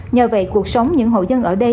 nhờ vậy cuộc sống những hậu dân ở đây